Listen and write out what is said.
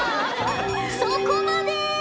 そこまで！